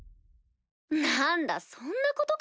何だそんなことか！